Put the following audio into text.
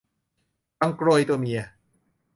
บังโกรยตัวเมีย